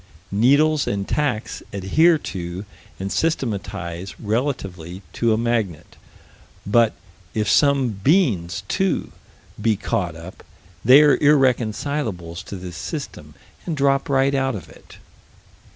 Needles and tacks adhere to and systematize relatively to a magnet, but, if some beans, too, be caught up, they are irreconcilables to this system and drop right out of it.